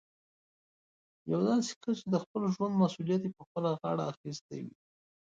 يو داسې کس چې د خپل ژوند مسوليت يې په خپله غاړه اخيستی وي.